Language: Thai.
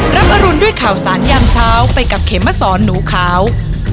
รับอรุณด้วยข่าวสารยามเช้าไปกับเขมสอนหนูขาว